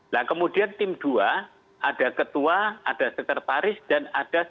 nah kemudian tim dua ada ketua ada sekretaris dan ada